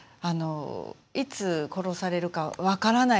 いつ、殺されるか分からない